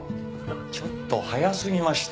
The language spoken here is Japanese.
ちょっと早すぎました。